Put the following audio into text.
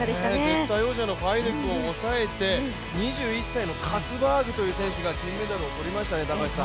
絶対王者のファイデクを抑えた２１歳のカツバーグという選手が金メダルを取りましたね。